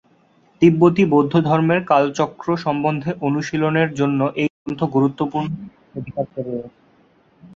তিব্বতী বৌদ্ধধর্মে কালচক্র সম্বন্ধে অনুশীলনের জন্য এই গ্রন্থ গুরুত্বপূর্ণ স্থান অধিকার করে রয়েছে।